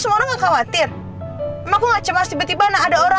semua orang khawatir